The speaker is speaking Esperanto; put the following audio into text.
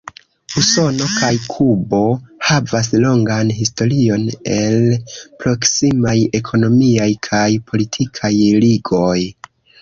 Usono kaj Kubo havas longan historion el proksimaj ekonomiaj kaj politikaj ligoj.